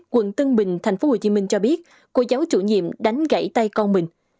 quận tân bình tp hcm cho biết cô giáo chủ nhiệm đánh gãy tay con mình